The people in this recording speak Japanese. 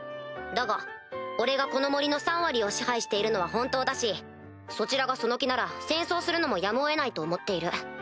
だが俺がこの森の３割を支配しているのは本当だしそちらがその気なら戦争するのもやむを得ないと思っている。